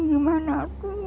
nah gimana aku